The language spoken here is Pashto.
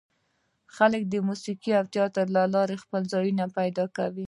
خلک د موزیک او تیاتر له لارې خپل ځای پیدا کوي.